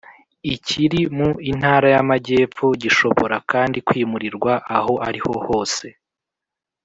ikiri mu intara y Amajyepfo Gishobora kandi kwimurirwa aho ariho hose